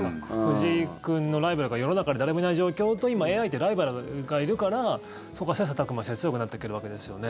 藤井君のライバルが世の中に誰もいない状況と今、ＡＩってライバルがいるからそこは切磋琢磨して強くなっていけるわけですよね。